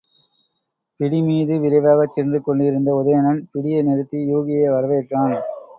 பிடிமீது விரைவாகச் சென்று கொண்டிருந்த உதயணன் பிடியை நிறுத்தி யூகியை வரவேற்றான்.